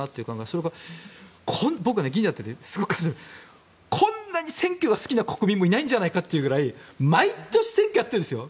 それから、僕がすごく感じているのはこんなに選挙が好きな国民もいないんじゃないかというぐらい毎年選挙やってるんですよ。